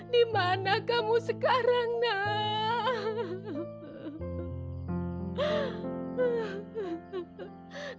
dimana kamu sekarang ndudin